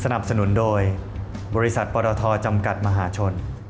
สนับสนุนโดยบริษัทปรทจำกัดมหาชน